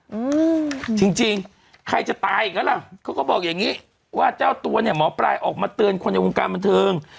อืมจริงจริงใครจะตายอีกแล้วล่ะเขาก็บอกอย่างงี้ว่าเจ้าตัวเนี้ยหมอปลายออกมาเตือนคนในวงการบันเทิง